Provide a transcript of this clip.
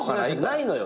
ないのよ。